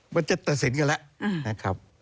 มันจะตัดสินกันแล้วนะครับ